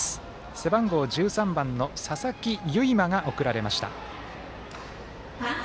背番号１３番の佐々木唯天が送られました。